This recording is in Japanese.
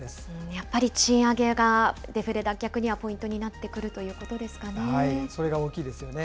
やっぱり賃上げが、デフレ脱却にはポイントになってくるといそれが大きいですよね。